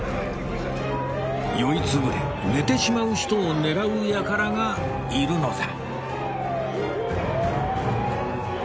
酔い潰れ寝てしまう人を狙うやからがいるのだ